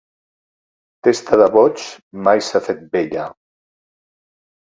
Testa de boig mai s'ha fet vella.